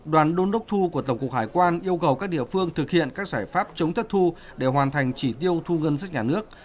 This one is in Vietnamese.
đoàn đôn đốc thu của tổng cục hải quan yêu cầu các địa phương thực hiện các giải pháp chống thất thu để hoàn thành chỉ tiêu thu ngân sách nhà nước